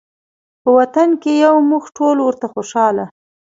په وطن کې یو مونږ ټول ورته خوشحاله